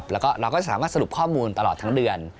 แล้วก็เราก็จะสามารถสรุปข้อมูลตลอดทั้งเดือน